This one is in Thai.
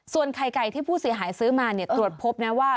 ส่วนไข่ไก่ที่ผู้เสียหายซื้อมาตรวจพบนะว่า